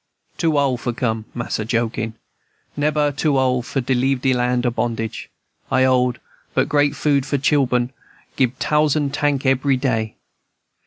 Too ole for come? Mas'r joking. Neber too ole for leave de land o' bondage. I old, but great good for chil'en, gib tousand tank ebry day.